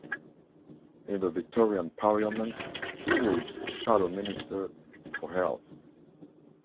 In the Victorian Parliament he was Shadow Minister for Health.